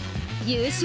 優勝